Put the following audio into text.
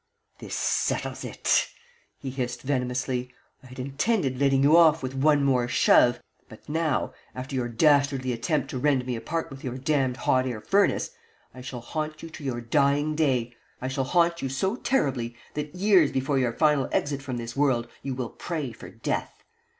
"This settles it," he hissed, venomously. "I had intended letting you off with one more shove, but now, after your dastardly attempt to rend me apart with your damned hot air furnace, I shall haunt you to your dying day; I shall haunt you so terribly that years before your final exit from this world you will pray for death.